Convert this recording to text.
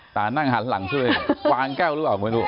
ตานั่งหันหลังช่วยวางแก้วหรือเปล่า